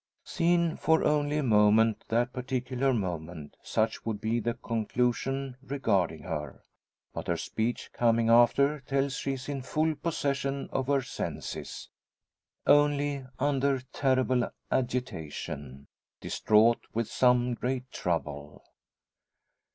Seen for only a moment that particular moment such would be the conclusion regarding her. But her speech coming after tells she is in full possession of her senses only under terrible agitation distraught with some great trouble.